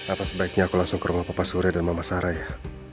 apa sebaiknya aku langsung ke rumah papa surya dan mamasara ya